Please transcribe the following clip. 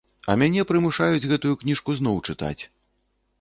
А мяне прымушаюць гэтую кніжку зноў чытаць!